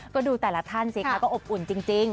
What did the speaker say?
ก็ดูแต่ละท่านสิคะก็อบอุ่นจริง